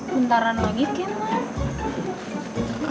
bentaran lagi kan mah